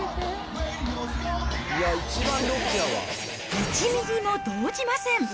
１ミリも動じません。